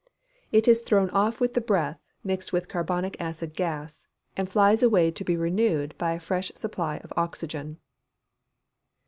_ It is thrown off with the breath, mixed with carbonic acid gas, and flies away to be renewed by a fresh supply of oxygen.